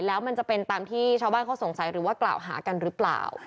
แล้วมันจะเป็นตามที่ชาวบ้านเขาสงสัยหรือว่ากล่าวหากันหรือเปล่า